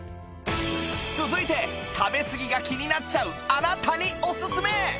続いて食べすぎが気になっちゃうあなたにおすすめ！